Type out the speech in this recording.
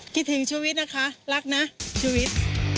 คิดถึงชีวิตนะคะรักนะชีวิต